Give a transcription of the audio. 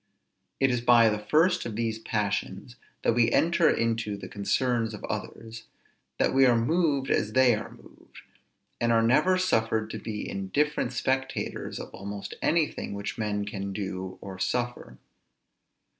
It is by the first of these passions that we enter into the concerns of others; that we are moved as they are moved, and are never suffered to be indifferent spectators of almost anything which men can do or suffer.